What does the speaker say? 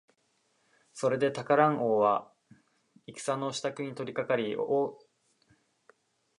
そこでタラカン王は戦のしたくに取りかかり、大へんな軍隊を集めて、銃や大砲をよういすると、イワンの国へおしよせました。